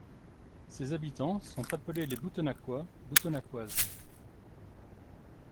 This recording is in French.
Ses habitants sont appelés les Boutenacois, Boutenacoises.